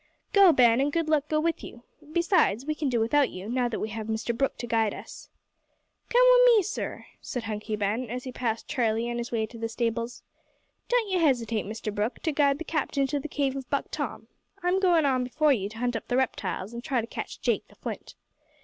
"Go, Ben, and good luck go with you! Besides, we can do without you, now that we have Mr Brooke to guide us." "Come wi' me, sir," said Hunky Ben, as he passed Charlie on his way to the stables. "Don't you hesitate, Mr Brooke, to guide the captain to the cave of Buck Tom. I'm goin' on before you to hunt up the reptiles to try an' catch Jake the Flint."